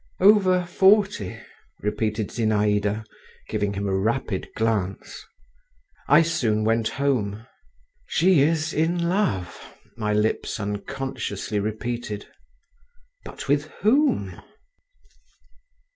"Over forty," repeated Zinaïda, giving him a rapid glance…. I soon went home. "She is in love," my lips unconsciously repeated…. "But with whom?"